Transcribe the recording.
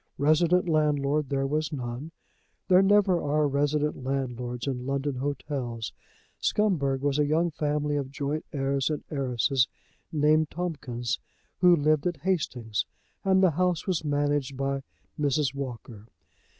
Resident landlord there was none. There never are resident landlords in London hotels. Scumberg was a young family of joint heirs and heiresses, named Tomkins, who lived at Hastings, and the house was managed by Mrs. Walker.